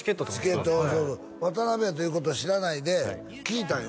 チケットをそうそう渡辺やということを知らないで聞いたんよ